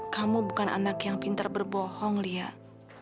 kamu bukan anak yang pintar berbohong lihat